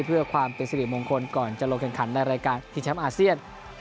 เพื่อความเป็นสิริมงคลก่อนจะลงแข่งขันในรายการที่แชมป์อาเซียน